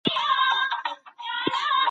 د سیاست هدف خدمت دی